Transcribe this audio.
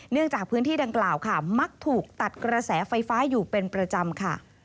จากพื้นที่ดังกล่าวค่ะมักถูกตัดกระแสไฟฟ้าอยู่เป็นประจำค่ะ